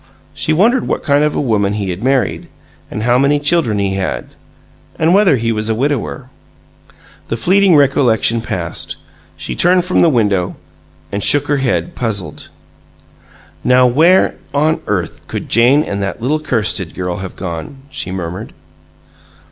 She wondered what kind of a woman he had married, and how many children he had and whether he was a widower The fleeting recollection passed; she turned from the window and shook her head, puzzled. "Now where on earth could Jane and that little Kirsted girl have gone?" she murmured.